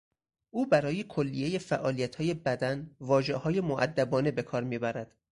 او برای کلیهی فعالیتهای بدن واژههای مودبانه به کار میبرد.